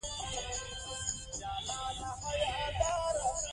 لوستې میندې د ماشوم خوندیتوب ته پام کوي.